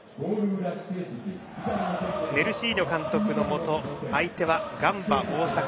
ネルシーニョ監督のもと相手はガンバ大阪。